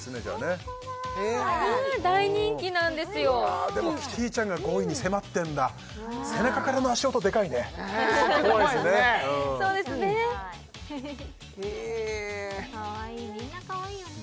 ホントだへえ大人気なんですようわでもキティちゃんが５位に迫ってんだ背中からの足音でかいね怖いですね怖いですねうんそうですねへえかわいいみんなかわいいよね